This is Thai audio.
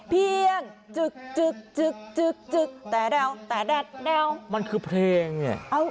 เพียงจึกจึกจึกจึกจึกแต่เดาแต่เดาแต่เดามันคือเพลงเอ้า